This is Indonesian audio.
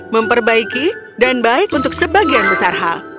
memperbaiki dan baik untuk sebagian besar hal